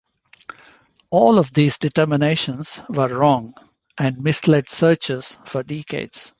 All of these determinations were wrong, and misled searchers for decades.